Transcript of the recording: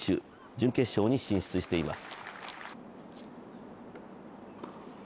準決勝に進出しています。